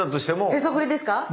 へそくりですか？